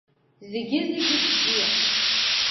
Зегьы-зегьы бзиан.